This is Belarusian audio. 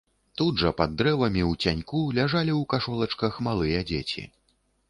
Тут жа пад дрэвамі, у цяньку, ляжалі ў кашолачках малыя дзеці.